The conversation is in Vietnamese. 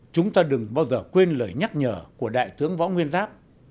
chúng ta đừng bao giờ quên lời nhắc nhở của đại tướng võ nguyên giáp